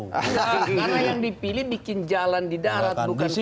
karena yang dipilih bikin jalan di darat bukan